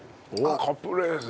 カプレーゼ。